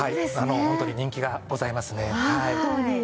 ホントに人気がございますね。